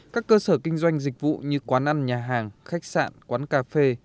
các cơ sở kinh doanh dịch vụ như quán ăn nhà hàng khách sạn quán cà phê